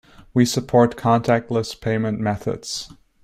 We support contactless payment methods.